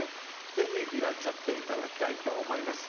ぜひいらっしゃっていただきたいと思います。